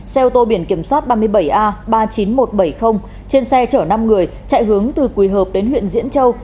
xe ô tô biển kiểm soát ba mươi bảy a ba mươi chín nghìn một trăm bảy mươi trên xe chở năm người chạy hướng từ quỳ hợp đến huyện diễn châu